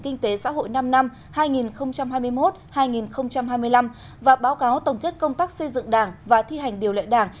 kinh tế xã hội năm năm hai nghìn hai mươi một hai nghìn hai mươi năm và báo cáo tổng kết công tác xây dựng đảng và thi hành điều lệ đảng